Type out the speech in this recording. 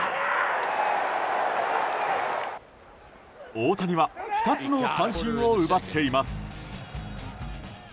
大谷は２つの三振を奪っています。